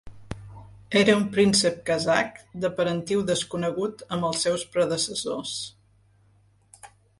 Era un príncep kazakh de parentiu desconegut amb els seus predecessors.